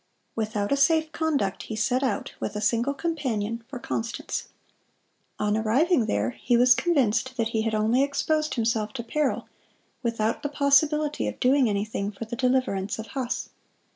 Without a safe conduct he set out, with a single companion, for Constance. On arriving there he was convinced that he had only exposed himself to peril, without the possibility of doing anything for the deliverance of Huss.